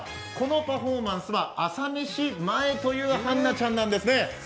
このパフォーマンスは朝飯前という絆那ちゃんなんですね。